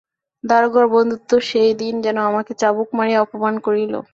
দারোগার বন্ধুত্ব সেই দিন যেন আমাকে চাবুক মারিয়া অপমান করিল।